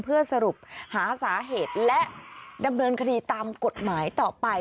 เพื่อสรุปหาสาเหตุและดำเนินคดีตามกฎหมายต่อไป